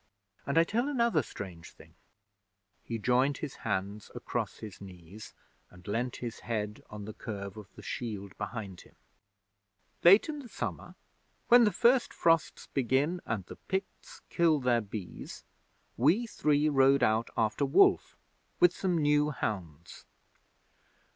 And I tell another strange thing!' He joined his hands across his knees, and leaned his head on the curve of the shield behind him. 'Late in the summer, when the first frosts begin and the Picts kill their bees, we three rode out after wolf with some new hounds.